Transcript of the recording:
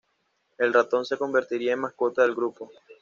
El ratón se convertirá en mascota del grupo.